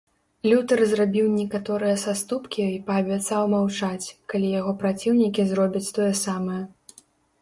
Лютэр зрабіў некаторыя саступкі й паабяцаў маўчаць, калі яго праціўнікі зробяць тое самае.